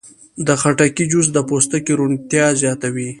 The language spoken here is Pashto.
د خټکي جوس د پوستکي روڼتیا زیاتوي.